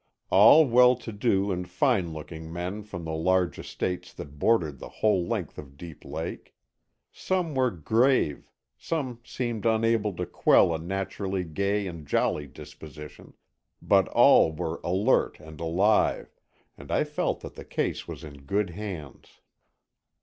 All well to do and fine looking men from the large estates that bordered the whole length of Deep Lake. Some were grave, some seemed unable to quell a naturally gay and jolly disposition, but all were alert and alive, and I felt that the case was in good hands.